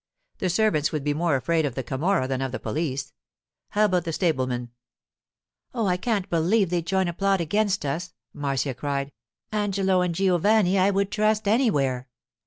The servants would be more afraid of the Camorra than of the police.—How about the stablemen?' 'Oh, I can't believe they'd join a plot against us,' Marcia cried. 'Angelo and Giovanni I would trust anywhere.